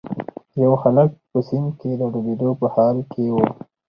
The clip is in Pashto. یو هلک په سیند کې د ډوبیدو په حال کې و.